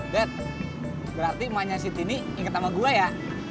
dad berarti emaknya si tini inget nama gue ya